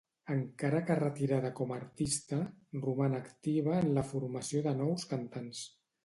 Encara que retirada com a artista, roman activa en la formació de nous cantants.